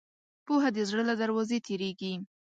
پوهه د زړه له دروازې تېرېږي.